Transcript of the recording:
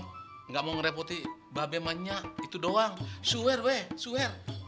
enggak mau ngerepotin babemannya itu doang suwer suwer halo alasan aja biar abang mampok agak repot